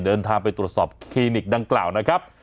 เดินทางไปตรวจสอบคลินิกดังกล่าวนะครับ